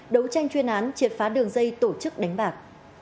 đấu tranh chuyên án triệt phá đường dây tổ chức đánh bạc